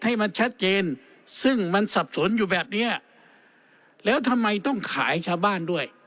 ให้มันชัดเจนซึ่งมันสับสนอยู่แบบเนี้ยแล้วทำไมต้องขายชาวบ้านด้วย